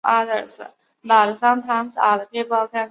刚毛萼刺蕊草为唇形科刺蕊草属下的一个种。